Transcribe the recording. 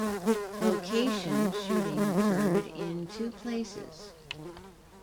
Location shooting occurred in two places.